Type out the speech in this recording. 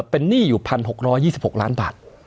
เป็นหนี้อยู่๑๖๒๖ล้านบาท